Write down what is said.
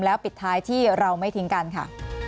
แล้วปิดท้ายที่เราไม่ทิ้งกันค่ะ